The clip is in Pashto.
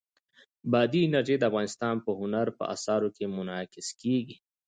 بادي انرژي د افغانستان په هنر په اثار کې منعکس کېږي.